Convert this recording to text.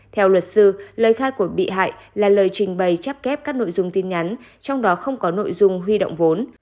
theo luật sư lời khai của bị hại là lời trình bày chấp kép các nội dung tin nhắn trong đó không có nội dung huy động vốn